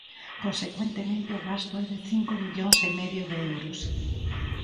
Consecuentemente, o gasto é de cinco millóns e medio de euros.